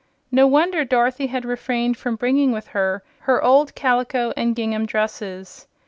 No wonder Dorothy had refrained from bringing with her her old calico and gingham dresses!